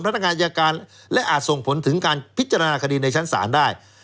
พนักงานอายการและอาจส่งผลถึงการพิจารณาคดีในชั้นศาลได้